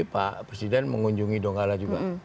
pak presiden mengunjungi donggala juga